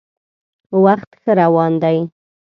وخت ښه روان دی.